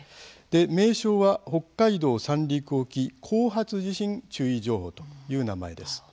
名称は「北海道・三陸沖後発地震注意情報」という名前です。